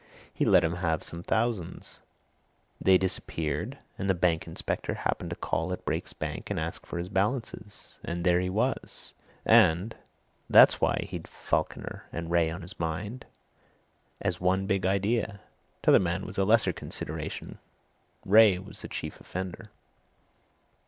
He let 'em have some thousands; they disappeared, and the bank inspector happened to call at Brake's bank and ask for his balances. And there he was. And that's why he'd Falkiner Wraye on his mind as his one big idea. T'other man was a lesser consideration, Wraye was the chief offender."